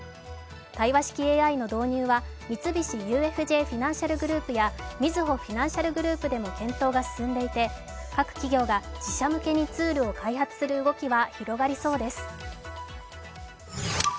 対話式ＡＩの導入は三井住友フィナンシャルグループやみずほフィナンシャルグループでも検討が進んでいて各企業が自社向けにツールを開発する動きは広がりそうです。